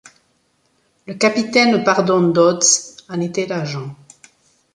Le capitaine Pardon Dodds en était l’agent.